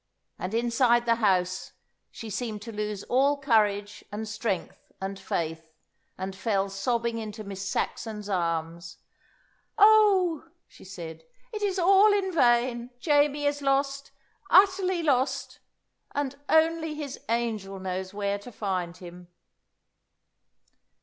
And inside the house she seemed to lose all courage and strength and faith, and fell sobbing into Miss Saxon's arms. "Oh," she said, "it is all in vain! Jamie is lost, utterly lost, and only his angel knows where to find him!"